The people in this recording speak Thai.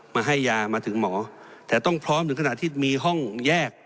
มาให้ยามาถึงหมอแต่ต้องพร้อมถึงขนาดที่มีห้องแยก